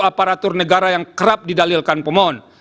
aparatur negara yang kerap didalilkan pemohon